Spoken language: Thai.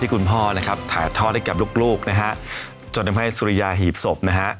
คุณพ่อนะครับถ่ายทอดให้กับลูกนะฮะจนทำให้สุริยาหีบศพนะฮะ